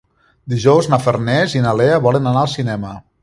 Dijous na Farners i na Lea volen anar al cinema.